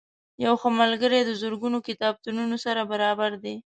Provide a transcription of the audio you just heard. یو ښه ملګری د زرګونو کتابتونونو سره برابر دی.